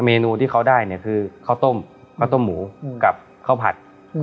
เมนูที่เขาได้เนี่ยคือข้าวต้มข้าวต้มหมูกับข้าวผัด